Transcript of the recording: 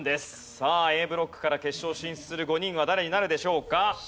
さあＡブロックから決勝進出する５人は誰になるでしょうか？